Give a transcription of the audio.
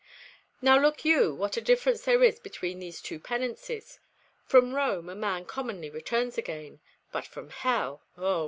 Now look you what a difference there is between these two penances. From Rome a man commonly returns again, but from hell, oh!